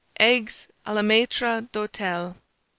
EGGS A LA MAITRE D'HOTEL.